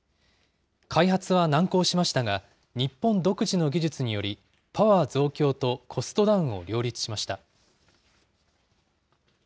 開発は難航しましたが、日本独自の技術により、パワー増強とコストダウンを両立しました。